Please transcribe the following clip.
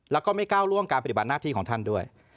แล้วก็ไม่ก้าวล่วงการปฏิบัติหน้าที่ของท่านด้วย